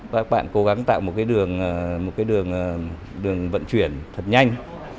và các bạn cố gắng tạo một cái đường vận chuyển thật nhanh